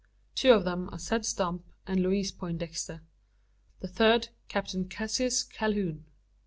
Two of them are Zeb Stump and Louise Poindexter; the third Captain Cassius Calhoun.